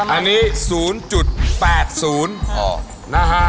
อันนี้๐๘๐นะฮะ